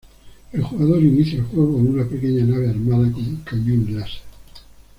El jugador inicia el juego con una pequeña nave armada con un cañón láser.